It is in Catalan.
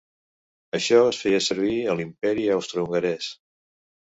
Això es feia servir a l'imperi austrohongarès.